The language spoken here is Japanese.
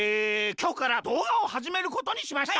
きょうからどうがをはじめることにしました。